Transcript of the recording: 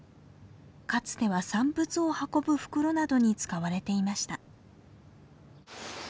かつては産物を運ぶ袋などに使われていました。